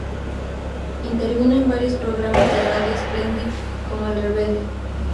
Intervino en varios programas de Radio Splendid, como "El Rebelde".